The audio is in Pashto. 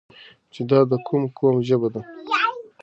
چې دا د کوم قوم ژبه ده؟